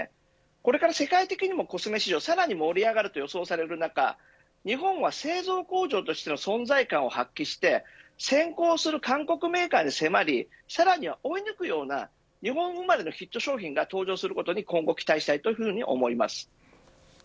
これから世界的にもコスメ市場さらに盛り上がると予想される中日本は製造工場としての存在感を発揮して先行する韓国メーカーに迫りさらには追い抜くような日本生まれのヒット商品が登場することに今後、期待したいというふうに思います。